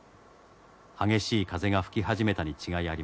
激しい風が吹き始めたに違いありません。